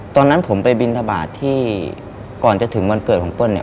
ตอนนั้นผมไปบินทบาทที่ก่อนจะถึงวันเกิดของเปิ้ลเนี่ย